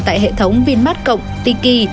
tại hệ thống vinmart cộng tiki